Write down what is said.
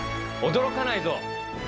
驚かないぞ。